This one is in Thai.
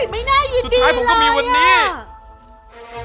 ไม่น่าอ้ายียินดีเลย